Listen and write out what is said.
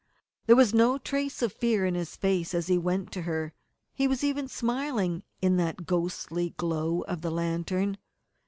There was no trace of fear in his face as he went to her. He was even smiling in that ghostly glow of the lantern.